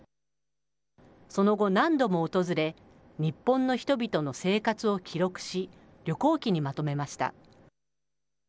その後、何度も訪れ、日本の人々の生活を記録し、旅行記にまとめました。